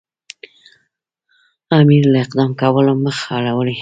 امیر له اقدام کولو مخ اړوي.